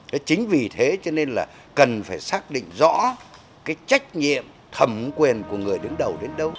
đó chính vì thế cho nên là cần phải xác định rõ cái trách nhiệm thẩm quyền của người đứng đầu đến đâu